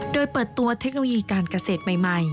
โดยเปิดตัวเทคโนโลยีการเกษตรใหม่